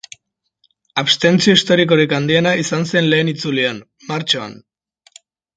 Abstentzio historikorik handiena izan zen lehen itzulian, martxoan.